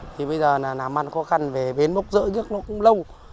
thì bây giờ là làm ăn khó khăn về bến bốc rỡ nước nó cũng lâu